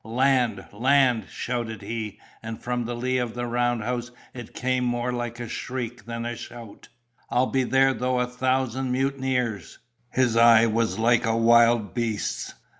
'Land! land!' shouted he, and from the lee of the round house it came more like a shriek than a shout. 'I'll be there though a thousand mutineers—' His eye was like a wild beast's.